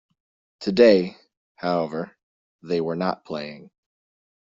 Today, however, they were not playing.